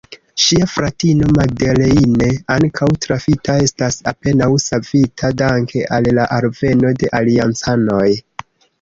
Ŝia fratino Madeleine, ankaŭ trafita, estas apenaŭ savita danke al la alveno de Aliancanoj.